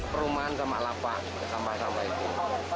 perumahan sama lapak sama sama itu